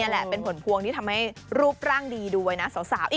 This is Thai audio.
แหละเป็นผลพวงที่ทำให้รูปร่างดีด้วยนะสาวอีก